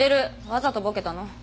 わざとボケたの。